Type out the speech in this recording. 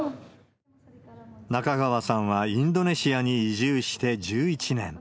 仲川さんはインドネシアに移住して１１年。